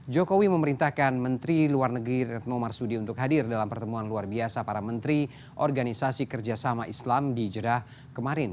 jokowi memerintahkan menteri luar negeri retno marsudi untuk hadir dalam pertemuan luar biasa para menteri organisasi kerjasama islam di jeddah kemarin